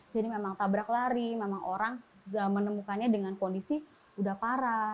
jadi memang tabrak lari memang orang menemukannya dengan kondisi udah parah